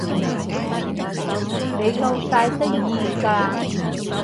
你夠晒得意㗎啦